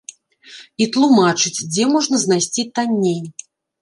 І тлумачыць, дзе можна знайсці танней.